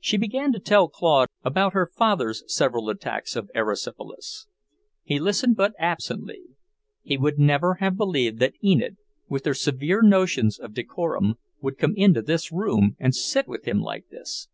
She began to tell Claude about her father's several attacks of erysipelas. He listened but absently. He would never have believed that Enid, with her severe notions of decorum, would come into his room and sit with him like this.